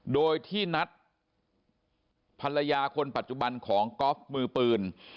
โดยที่นัดภรรยาคนปัจจุบันของก๊อฟมือปืน